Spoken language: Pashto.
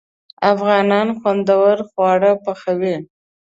افغانان خوندور خواړه پخوي.